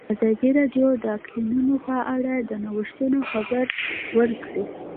ازادي راډیو د اقلیتونه په اړه د نوښتونو خبر ورکړی.